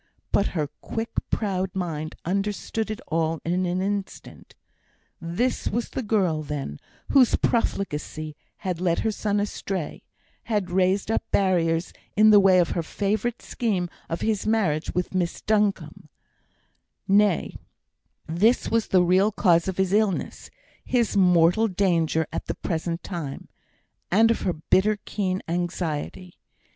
But her quick, proud mind understood it all in an instant. This was the girl, then, whose profligacy had led her son astray; had raised up barriers in the way of her favourite scheme of his marriage with Miss Duncombe; nay, this was the real cause of his illness, his mortal danger at this present time, and of her bitter, keen anxiety.